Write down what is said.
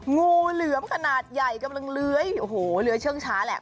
งูเหลือมขนาดใหญ่กำลังเลื้อยโอ้โหเลื้อยเชื่องช้าแหละ